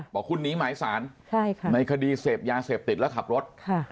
บอกคุณหนีมาไอ้ศาลในคดีเศษยาเศษติดแล้วขับรถ